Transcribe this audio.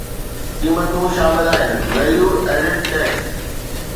قيمتون شامل آهن ويليو ايڊڊ ٽيڪس